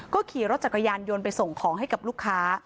ขี่รถจักรยานยนต์ไปส่งของให้กับลูกค้า